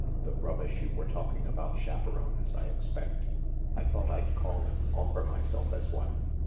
*' The rubbish you were talking about chaperones, I expect. I thought I'd call and offer myself as one.